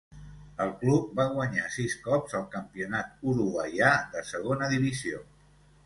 El club va guanyar sis cops el campionat uruguaià de segona divisió.